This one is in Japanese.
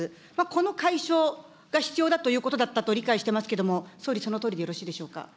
この解消が必要だということだったと理解してますけれども、総理、そのとおりでよろしいでしょうか。